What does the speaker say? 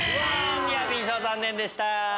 ニアピン賞残念でした。